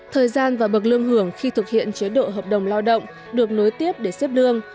thời gian và bậc lương hưởng khi thực hiện chế độ hợp đồng lao động được nối tiếp để xếp lương